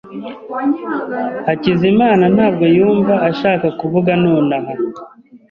Hakizimana ntabwo yumva ashaka kuvuga nonaha.